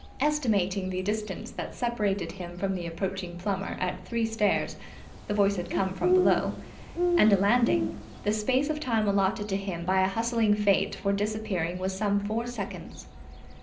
Estimating the distance that separated him from the approaching Plummer at three stairs the voice had come from below and a landing, the space of time allotted to him by a hustling Fate for disappearing was some four seconds.